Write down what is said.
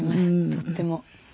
とっても。